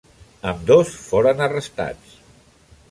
Ambdós foren arrestats.